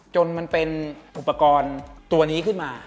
มันเป็นอุปกรณ์ตัวนี้ขึ้นมา